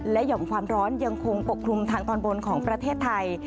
หย่อมความร้อนยังคงปกคลุมทางตอนบนของประเทศไทย